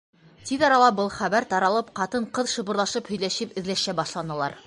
Тиҙ арала был хәбәр таралып, ҡатын-ҡыҙ, шыбырлашып һөйләшеп, эҙләшә башланылар.